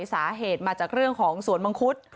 สาเหตุมาจากเรื่องของสวนมังคุด